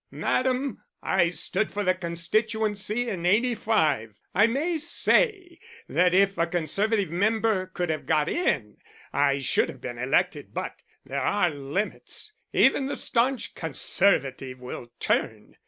"Madam, I stood for the constituency in '85. I may say that if a Conservative member could have got in, I should have been elected. But there are limits. Even the staunch Conservative will turn.